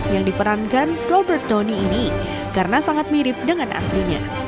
yang diperankan robert donny ini karena sangat mirip dengan aslinya